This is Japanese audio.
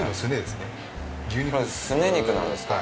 すね肉なんですか。